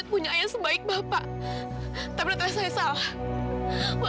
kamu membuat ibu panggil sedih ya